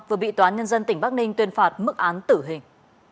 vừa bị toán nhân dân tỉnh bắc ninh tuyên phạt mức án tử hình